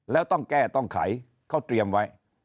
แล้วต้องแก้ต้องไขเขาเตรียมไว้